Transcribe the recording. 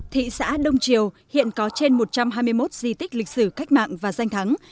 thị xã đông triều hiện có trên một trăm hai mươi một di tích lịch sử cách mạng và danh thắng